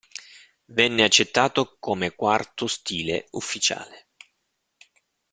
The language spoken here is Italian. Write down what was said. Venne accettato come quarto stile ufficiale.